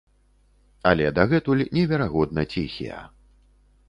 Але дагэтуль неверагодна ціхія.